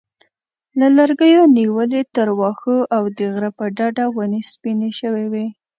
له لرګیو نیولې تر واښو او د غره په ډډه ونې سپینې شوې وې.